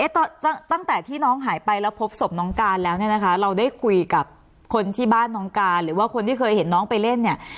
ตั้งแต่ที่น้องหายไปแล้วพบศพน้องการแล้วเนี่ยนะคะเราได้คุยกับคนที่บ้านน้องการหรือว่าคนที่เคยเห็นน้องไปเล่นเนี่ย